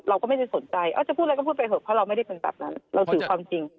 เราก็ไม่ได้สนใจจะพูดอะไรก็พูดไปเถอะเพราะเราไม่ได้เป็นแบบนั้นเราสื่อความจริง